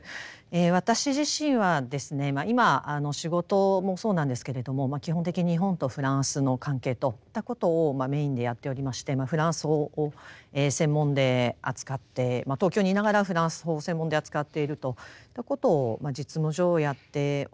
私自身はですね今仕事もそうなんですけれども基本的に日本とフランスの関係といったことをメインでやっておりましてフランス法を専門で扱って東京にいながらフランス法を専門で扱っているといったことを実務上やっております。